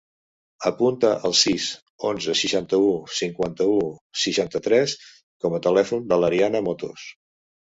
Apunta el sis, onze, seixanta-u, cinquanta-u, seixanta-tres com a telèfon de l'Ariana Motos.